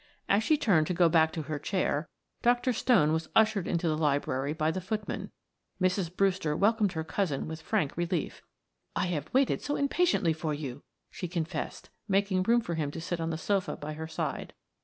As she turned to go back to her chair Dr. Stone was ushered into the library by the footman. Mrs. Brewster welcomed her cousin with frank relief. "I have waited so impatiently for you," she confessed, making room for him to sit on the sofa by her side.